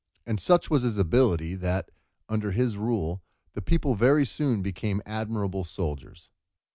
And such was his ability that, under his rule, the people very soon became admirable soldiers.